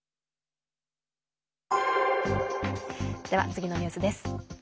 次のニュースです。